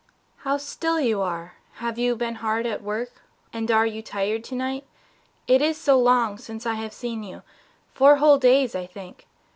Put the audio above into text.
... How still you are! Have you been hard at work And are you tired to night? It is so long Since I have seen you four whole days, I think.